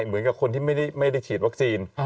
เหมือนกับคนที่ไม่ได้ฉีดวัคซีน